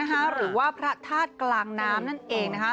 หรือว่าพระธาตุกลางน้ำนั่นเองนะคะ